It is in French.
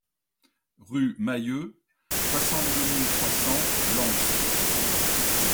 Rue Mayeux, soixante-deux mille trois cents Lens